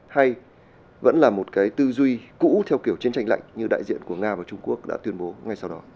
hay vẫn là một cái tư duy cũ theo kiểu chiến tranh lạnh như đại diện của nga và trung quốc đã tuyên bố ngay sau đó